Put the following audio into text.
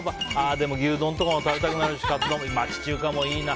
でも牛丼とかも食べたくなるし町中華もいいな。